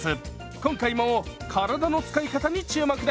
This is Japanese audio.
今回も体の使い方に注目です！